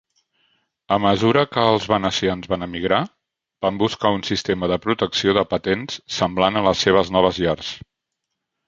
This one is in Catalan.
A mesura que els venecians van emigrar, van buscar un sistema de protecció de patents semblant a les seves noves llars.